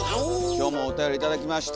今日もおたより頂きました。